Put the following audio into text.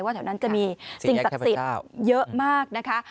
แถวนั้นจะมีสิ่งศักดิ์สิทธิ์เยอะมากนะคะ